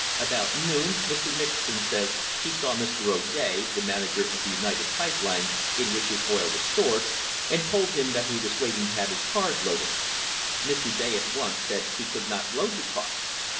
About noon, Mr. Nicholson says, he saw Mr. O'Day, the manager of the United Pipe Lines, in which his oil was stored, and told him that he was waiting to have his cars loaded. Mr. O'Day at once said he could not load the cars.